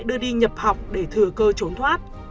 đưa đi nhập học để thừa cơ trốn thoát